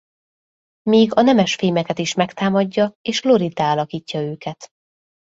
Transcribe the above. Még a nemesfémeket is megtámadja és kloriddá alakítja őket.